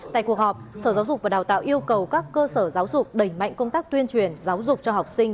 tại cuộc họp sở giáo dục và đào tạo yêu cầu các cơ sở giáo dục đẩy mạnh công tác tuyên truyền giáo dục cho học sinh